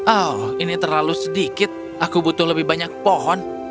oh ini terlalu sedikit aku butuh lebih banyak pohon